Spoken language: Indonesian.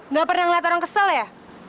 nggak pernah ngeliat orang kesel ya